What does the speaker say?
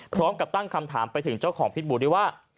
พร้อมกับตั้งคำถามไปถึงเจ้าของพิษบูด้วยว่า